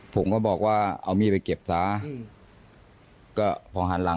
ผมก็บอกว่าเอามีดไปเก็บซ้า